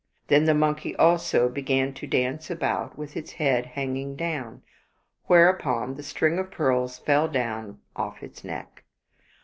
Then the monkey also began to dance about with its head hanging down, whereupon the string of pearls fell down from off its neck.